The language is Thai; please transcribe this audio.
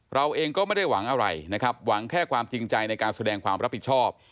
เราเองก็ไม่ได้หวังอะไรนะครับหวังแค่ความจริงใจในการแสดงความรับผิดชอบ